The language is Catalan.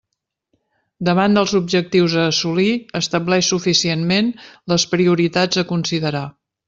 Davant dels objectius a assolir, estableix suficientment les prioritats a considerar.